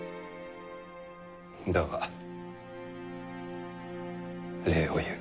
だが礼を言う。